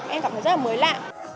em cảm thấy rất là mới lạ